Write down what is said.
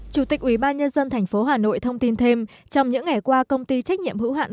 chủ tịch ubnd tp hà nội thông tin thêm trong những ngày qua công ty trách nhiệm hữu hạn